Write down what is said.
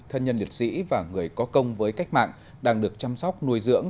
thân nhân liệt sĩ và người có công với cách mạng đang được chăm sóc nuôi dưỡng